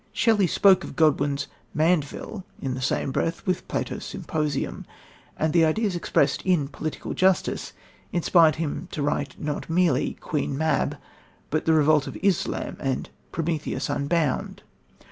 Shelley spoke of Godwin's Mandeville in the same breath with Plato's Symposium and the ideas expressed in Political Justice inspired him to write not merely Queen Mab but the Revolt of Islam and Prometheus Unbound.